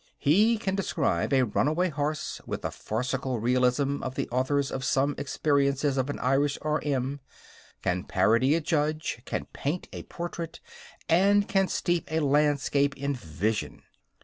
He can describe a runaway horse with the farcical realism of the authors of Some Experiences of an Irish R.M., can parody a judge, can paint a portrait, and can steep a landscape in vision.